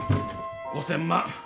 ５０００万